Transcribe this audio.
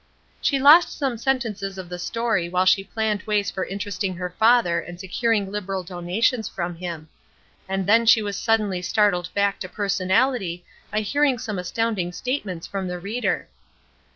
She lost some sentences of the story while she planned ways for interesting her father and securing liberal donations from him; and then she was suddenly startled back to personality by hearing some astounding statements from the reader.